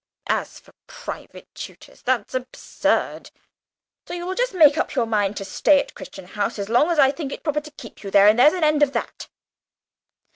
As for private tutors, that's absurd! So you will just make up your mind to stay at Crichton House as long as I think proper to keep you there, and there's an end of that!"